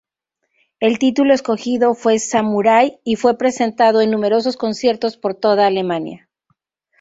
El título escogido fue Samurái y fue presentado en numerosos conciertos por toda Alemania.